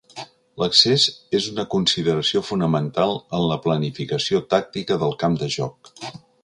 L'excés és una consideració fonamental en la planificació tàctica del camp de joc.